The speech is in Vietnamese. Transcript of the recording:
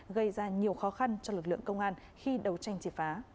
gây ra nhiều khó khăn cho lực lượng công an khi đấu tranh triệt phá